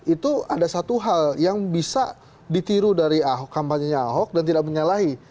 itu ada satu hal yang bisa ditiru dari ahok kampanyenya ahok dan tidak menyalahi